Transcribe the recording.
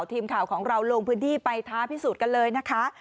ทีมข่าวของเราลงพื้นที่ไปท้าพิสูจน์กันเลยนะคะ